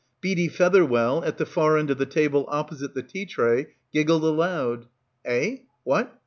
Beadie Fetherwell, at the far end of the table opposite the tea tray, giggled aloud. "Eh? What?